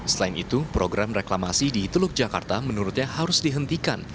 selain itu program reklamasi di teluk jakarta menurutnya harus dihentikan